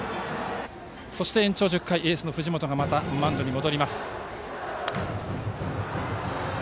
そして延長１０回エースの藤本がまたマウンドに戻ります。